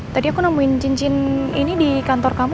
tadi aku nemuin cincin ini di kantor kamu